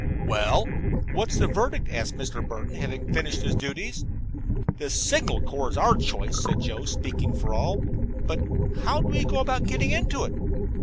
"Well, what's the verdict?" asked Mr. Burton, having finished his duties. "The Signal Corps is our choice," said Joe, speaking for all, "but how do we go about getting into it?"